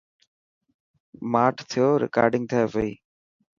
ماٺ ٿيو رڪارڊنگ ٿي پئي.